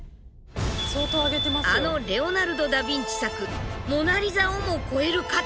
あのレオナルド・ダ・ヴィンチ作「モナ・リザ」をも超える価値？